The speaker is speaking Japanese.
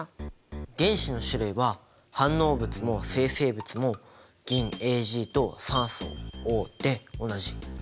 原子の種類は反応物も生成物も銀Ａｇと酸素Ｏで同じ。